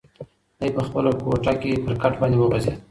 دی په خپله کوټه کې پر کټ باندې وغځېد.